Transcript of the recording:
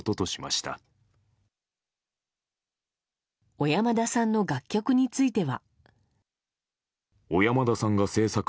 小山田さんの楽曲については。